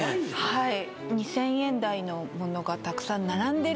はい。